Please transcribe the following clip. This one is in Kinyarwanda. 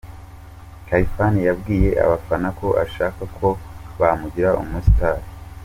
Khalifan yabwiye abafana ko ashaka ko bamugira umustar.